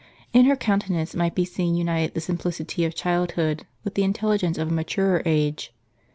In her countenance might be seen united the simplicity of childhood with the intelligence of a maturer age.